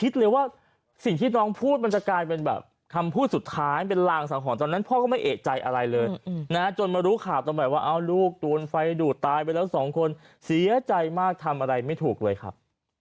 โดนเสียใจมากทำอะไรไม่ถูกเลยครับ